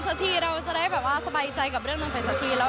สักทีเราจะได้แบบว่าสบายใจกับเรื่องนั้นไปสักทีแล้ว